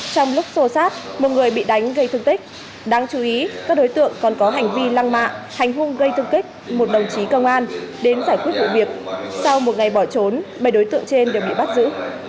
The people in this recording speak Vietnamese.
trong lúc xô sát một người bị đánh gây thương tích đáng chú ý các đối tượng còn có hành vi lăng mạ hành hung gây thương tích một đồng chí công an đến giải quyết vụ việc sau một ngày bỏ trốn bảy đối tượng trên đều bị bắt giữ